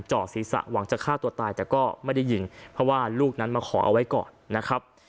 ศีรษะหวังจะฆ่าตัวตายแต่ก็ไม่ได้ยิงเพราะว่าลูกนั้นมาขอเอาไว้ก่อนนะครับ